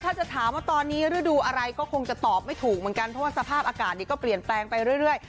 ถ้าจะถามว่าตอนนี้ฤดูอะไรก็คงจะตอบไม่ถูกเหมือนกันเพราะว่าสภาพอากาศก็เปลี่ยนแปลงไปเรื่อย